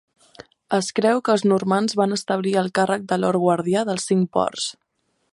Es creu que els normands van establir el càrrec de Lord Guardià dels Cinc Ports.